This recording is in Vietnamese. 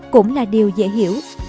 cũng là điều dễ hiểu